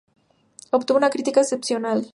Obtuvo una crítica excepcional.